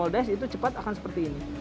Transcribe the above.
kalau kita moldes itu cepat akan seperti ini